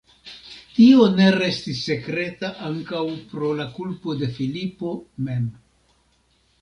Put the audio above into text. Tio ne restis sekreta ankaŭ pro la kulpo de Filipo mem.